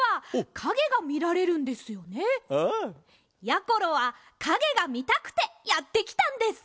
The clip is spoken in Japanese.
やころはかげがみたくてやってきたんです。